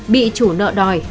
bị chủ nợ đòi